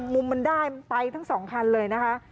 มุมมันได้มันไปทั้งสองคันเลยนะคะ